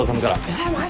えっマジ？